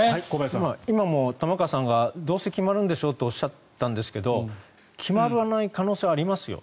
今も玉川さんがどうせ決まるんでしょとおっしゃったんですが決まらない可能性ありますよ。